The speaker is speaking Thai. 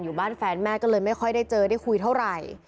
อยู่บ้านแฟนแม่ก็เลยไม่ค่อยได้เจอได้คุยเท่าไหร่